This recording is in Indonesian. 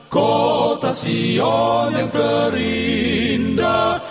kota sion yang terindah